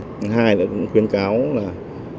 thứ hai là cũng khuyên cáo ngân hàng